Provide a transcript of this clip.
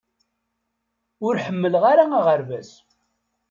Ur ḥemmleɣ ara aɣerbaz